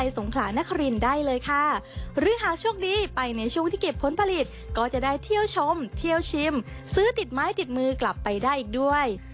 ซึ่งซื้อติดไม้ติดมือกลับไปได้อีกด้วย